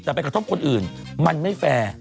แต่ไปกระทบคนอื่นมันไม่แฟร์